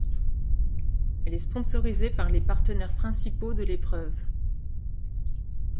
Elle est sponsorisée par les partenaires principaux de l'épreuve.